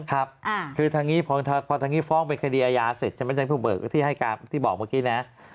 คือพอทางนี้ฟ้องเป็นคดีอาญาเสร็จจำเป็นจากผู้เบิกที่บอกเมื่อกี้นะ